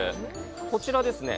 こちらですね